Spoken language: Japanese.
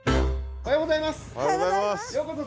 おはようございます。